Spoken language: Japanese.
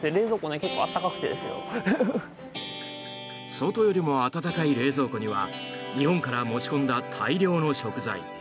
外よりも暖かい冷蔵庫には日本から持ち込んだ大量の食材。